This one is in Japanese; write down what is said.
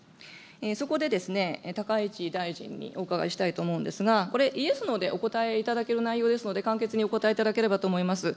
そこで高市大臣にお伺いしたいと思うんですが、これ、イエス、ノーでお答えいただける内容ですので、簡潔にお答えいただければと思います。